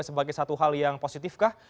sebagai satu hal yang positif kah